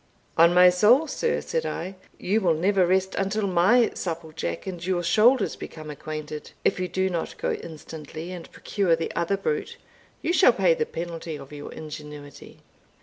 "On my soul, sir," said I, "you will never rest till my supple jack and your shoulders become acquainted. If you do not go instantly and procure the other brute, you shall pay the penalty of your ingenuity."